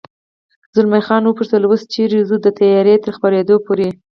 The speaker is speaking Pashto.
زلمی خان و پوښتل: اوس چېرې ځو؟ د تیارې تر خپرېدو پورې.